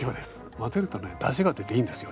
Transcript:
混ぜるとねダシが出ていいんですよ